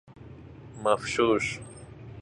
مفشوش